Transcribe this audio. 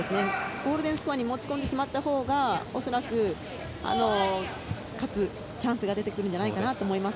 ゴールデンスコアに持ち込んだほうが、恐らく勝つチャンスが出てくるんじゃないかなと思います。